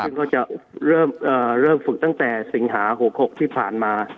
ซึ่งก็จะเริ่มเอ่อเริ่มฝึกตั้งแต่สิงหาหกหกที่ผ่านมาครับ